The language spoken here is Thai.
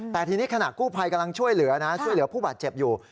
แต่ทีนี้ขณะกู้ภัยกำลังช่วยเหลือนะช่วยเหลือผู้บาดเจ็บอยู่